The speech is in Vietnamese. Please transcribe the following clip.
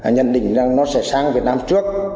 nhận định rằng nó sẽ sang việt nam trước